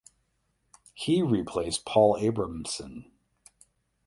He replaced Paul Abramson.